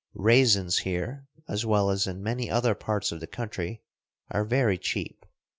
Raisins here, as well as in many other parts of the country, are very cheap.